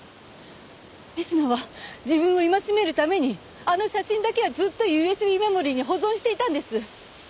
水野は自分を戒めるためにあの写真だけはずっとＵＳＢメモリーに保存していたんです。